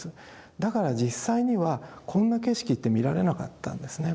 だから実際にはこんな景色って見られなかったんですね。